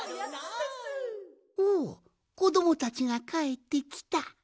おおこどもたちがかえってきた。